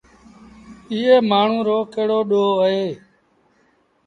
ايٚئي مآڻهوٚٚ رو ڪهڙو ڏوه اهي؟